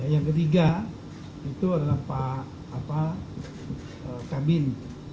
yang ketiga itu adalah pak kabin